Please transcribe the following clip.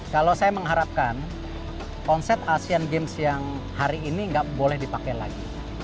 kalau saya mengharapkan konsep asean games yang hari ini nggak boleh dipakai lagi